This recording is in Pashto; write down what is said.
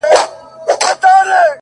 زما سره يې دومره ناځواني وكړله ؛